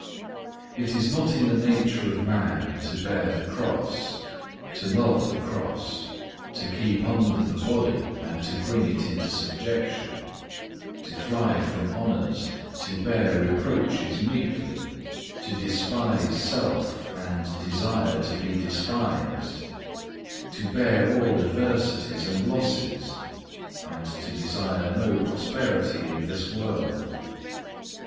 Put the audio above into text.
9. It is not in the nature of man to bear the cross, to love the cross, to keep under the body and to bring it into subjection, to fly from honours, to bear reproaches meekly, to despise self and desire to be despised, to bear all adversities and losses, and to desire no prosperity in this world.